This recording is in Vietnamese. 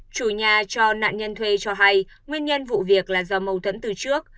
chủ nhà cho nạn nhân thuê cho hay nguyên nhân vụ việc là do mâu thuẫn từ trước